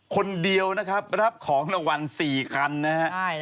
คนเดียวนะครับรับของรางวัล๔คันนะฮะ